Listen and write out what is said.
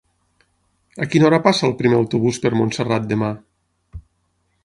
A quina hora passa el primer autobús per Montserrat demà?